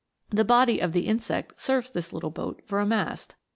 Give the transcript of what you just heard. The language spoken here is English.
The body of the insect serves this little boat for a mast.